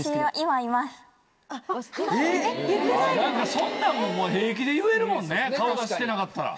・そんなんも平気で言えるもんね顔出ししてなかったら。